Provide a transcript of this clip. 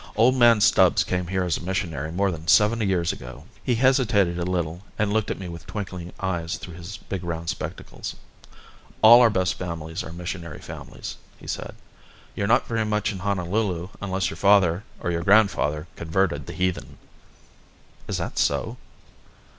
Old man Stubbs came here as a missionary more than seventy years ago." He hesitated a little and looked at me with twinkling eyes through his big round spectacles. "All our best families are missionary families," he said. "You're not very much in Honolulu unless your father or your grandfather converted the heathen." "Is that so?"